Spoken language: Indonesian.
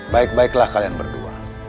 baik baiklah kalian berdua